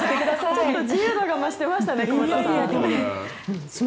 ちょっと自由度が増していましたね。